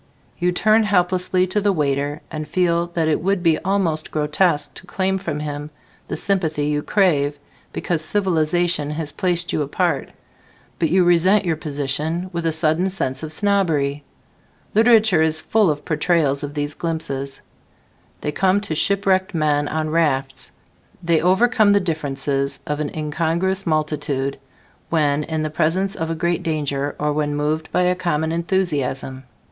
You turn helplessly to the waiter and feel that it would be almost grotesque to claim from him the sympathy you crave because civilization has placed you apart, but you resent your position with a sudden sense of snobbery. Literature is full of portrayals of these glimpses: they come to shipwrecked men on rafts; they overcome the differences of an incongruous multitude when in the presence of a great danger or when moved by a common enthusiasm.